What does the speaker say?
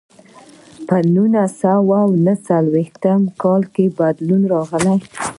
په نولس سوه او نهه څلوېښتم کې بدلون راغی.